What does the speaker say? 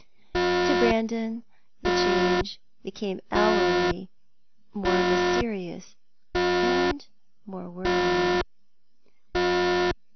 To Brandon the change became hourly more mysterious, and more worrying.